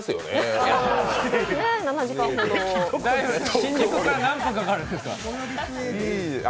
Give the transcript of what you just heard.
新宿から何分かかるんですか？！